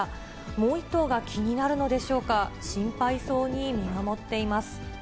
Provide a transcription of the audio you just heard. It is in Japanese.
もう１頭が気になるのでしょうか、心配そうに見守っています。